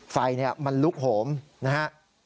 ไฟมันลุกโหมนะครับ